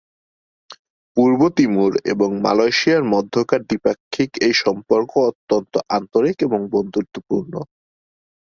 পূর্ব Timor এবং মালয়েশিয়ার মধ্যকার দ্বিপাক্ষিক এই সম্পর্ক অত্যন্ত আন্তরিক এবং বন্ধুত্বপূর্ণ।